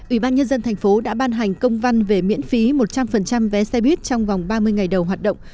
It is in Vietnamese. ủy ban nhân dân thành phố đã ban hành công văn về miễn phí một trăm linh vé xe buýt trong vòng ba mươi ngày đầu hoạt động